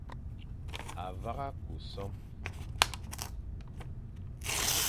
A vagha ku som,